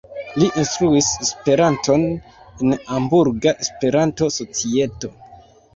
Li instruis Esperanton en Hamburga Esperanto-Societo.